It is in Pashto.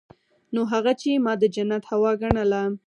نو هغه چې ما د جنت هوا ګڼله.